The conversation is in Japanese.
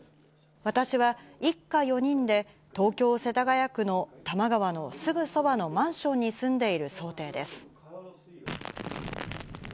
私は一家４人で、東京・世田谷区の多摩川のすぐそばのマンションに住んでいる想定です。